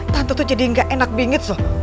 tante tuh jadi ga enak bingits loh